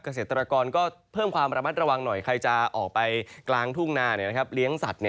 เกษตรกรก็เพิ่มความระมัดระวังหน่อยใครจะออกไปกลางทุ่งนาเลี้ยงสัตว์